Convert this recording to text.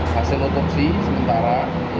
hasil otopsi sementara